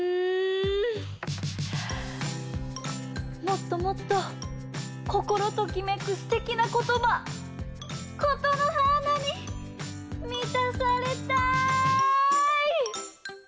もっともっとこころときめくすてきなことば「ことのはーな」にみたされたい！